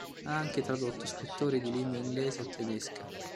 Ha anche tradotto scrittori di lingua inglese o tedesca.